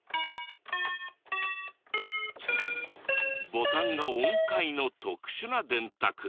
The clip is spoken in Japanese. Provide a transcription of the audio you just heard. ボタンが音階の特殊な電卓。